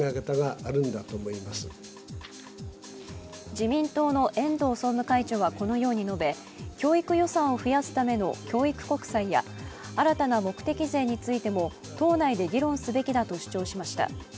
自民党の遠藤総務会長はこのように述べ教育予算を増やすための教育国債や新たな目的税についても党内で議論すべきだと主張しました。